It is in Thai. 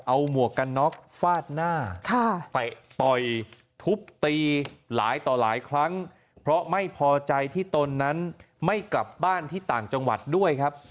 เอาหมวกกันน็อกฟาดหน้าเตะต่อยทุบตีหลายต่อหลายครั้งเพราะไม่พอใจที่ตนนั้นไม่กลับบ้านที่ต่างจังหวัดด้วยครับ